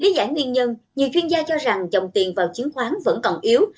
để giải nguyên nhân nhiều chuyên gia cho rằng dòng tiền vào chiến khoán vẫn còn yếu